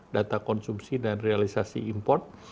data konsumsi dan realisasi import